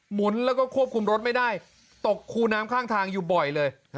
หุนแล้วก็ควบคุมรถไม่ได้ตกคูน้ำข้างทางอยู่บ่อยเลย